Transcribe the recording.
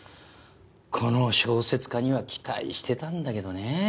この小説家には期待してたんだけどね。